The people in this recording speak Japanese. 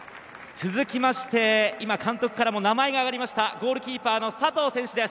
続きまして今、監督からも名前があがりましたゴールキーパーの佐藤選手です。